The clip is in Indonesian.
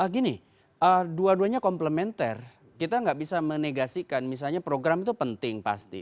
gini dua duanya komplementer kita nggak bisa menegasikan misalnya program itu penting pasti